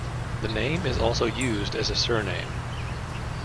The name is also used as a surname.